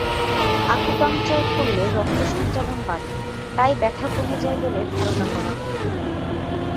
Acupuncture করলে রক্তসঞ্চালন বাড়ে তাই ব্যথা কমে যায় বলে ধারণা করা হয়।